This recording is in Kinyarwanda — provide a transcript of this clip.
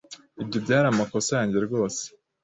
Ibyo byari amakosa yanjye rwose.